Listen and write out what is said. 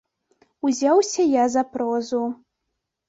Узяўся я за прозу.